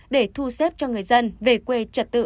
để thu xếp cho người dân về quê trật tự